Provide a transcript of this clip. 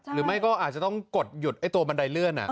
หรือไม่ก็อาจจะต้องกดหยุดไอ้ตัวบันไดเลื่อน